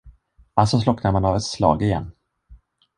Alltså slocknar man av ett slag igen!